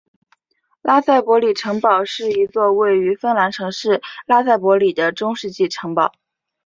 拉塞博里城堡是一座位于芬兰城市拉塞博里的中世纪城堡。